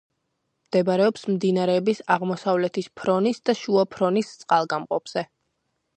მდებარეობს მდინარეების აღმოსავლეთის ფრონის და შუა ფრონის წყალგამყოფზე.